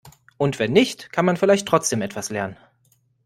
Und wenn nicht, kann man vielleicht trotzdem etwas lernen.